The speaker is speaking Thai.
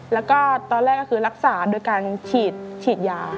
แล้วก็ตอนแรกก็คือรักษาโดยการฉีดยา